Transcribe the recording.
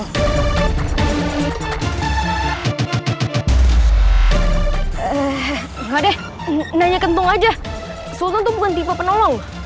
eh enggak deh nanya kentung aja sultan tuh bukan tipe penolong